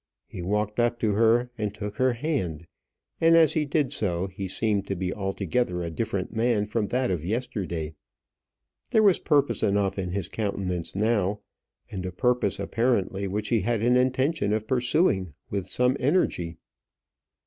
He walked up to her and took her hand, and as he did so he seemed to be altogether a different man from that of yesterday. There was purpose enough in his countenance now, and a purpose, apparently, which he had an intention of pursuing with some energy.